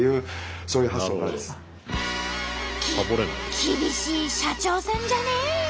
き厳しい社長さんじゃね！